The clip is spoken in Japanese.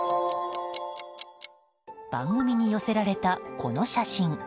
番組に寄せられたこの写真。